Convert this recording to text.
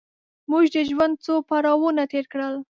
موږ د ژوند څو پړاوونه تېر کړل.